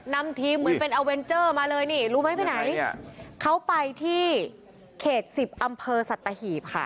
นำทีมเหมือนเป็นอเวนเจอร์มาเลยนี่รู้ไหมไปไหนเขาไปที่เขตสิบอำเภอสัตหีบค่ะ